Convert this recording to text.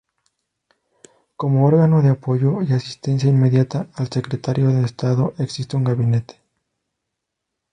Como órgano de apoyo y asistencia inmediata al Secretario de Estado, existe un Gabinete.